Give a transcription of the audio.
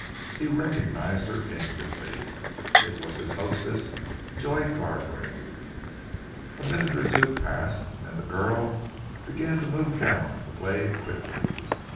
He recognized her instantly. It was his hostess, Joy Gargrave. A minute or two passed and then the girl began to move down the glade quickly.